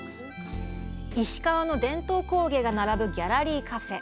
石川の伝統工芸が並ぶギャラリーカフェ。